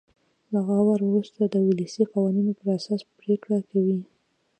له غور وروسته د ولسي قوانینو په اساس پرېکړه کوي.